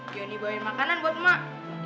jonny bawain makanan buat mak